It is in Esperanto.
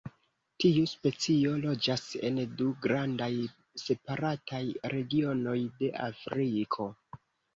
Tiu specio loĝas en du grandaj separataj regionoj de Afriko.